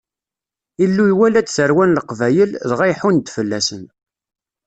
Illu iwala-d tarwa n Leqbayel, dɣa iḥunn-d fell-asen.